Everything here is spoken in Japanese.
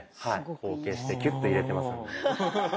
後傾してキュッと入れてますので。